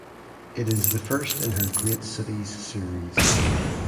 It is the first in her Great Cities series.